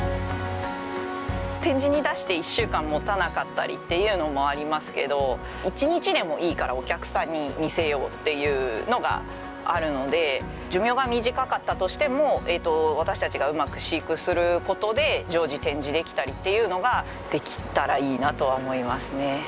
展示に出して１週間もたなかったりっていうのもありますけど一日でもいいからお客さんに見せようっていうのがあるので寿命が短かったとしても私たちがうまく飼育することで常時展示できたりっていうのができたらいいなとは思いますね。